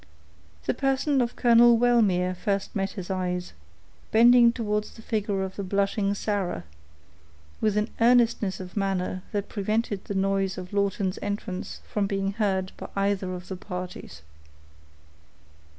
The person of Colonel Wellmere first met his eye, bending towards the figure of the blushing Sarah, with an earnestness of manner that prevented the noise of Lawton's entrance from being heard by either of the parties.